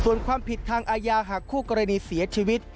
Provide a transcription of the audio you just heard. ส่วนความผิดทางอาญาหากคู่กรณีเสียชีวิต